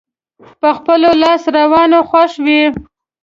په خپلو لاسته راوړنو خوښ وي.